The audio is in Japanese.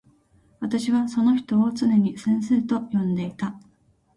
私はその人をつねに先生と呼んでいた。